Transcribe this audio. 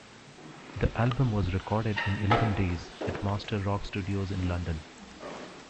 The album was recorded in eleven days at Master Rock Studios in London.